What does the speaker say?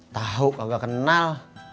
tahu kagak kenal